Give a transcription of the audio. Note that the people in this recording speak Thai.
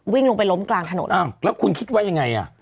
วิ่งลงไปล้มกลางถนนอ้าวแล้วคุณคิดว่ายังไงอ่ะ